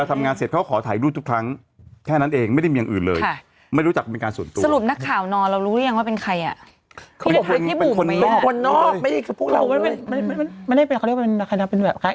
ไม่เกี่ยวกับพวกเรา